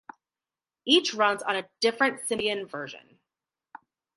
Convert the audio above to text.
Each runs on a different Symbian version.